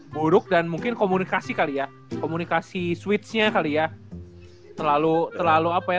buruk dan mungkin komunikasi kali ya komunikasi switch nya kali ya terlalu terlalu apa ya